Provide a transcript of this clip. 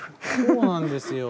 そうなんですよ。